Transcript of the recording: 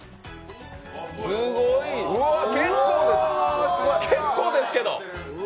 すごい、わあ、結構ですけど。